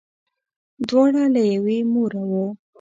دواړه له یوې موره وه.